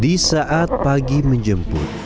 di saat pagi menjemput